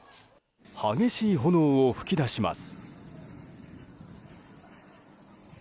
激しい炎を噴き出します。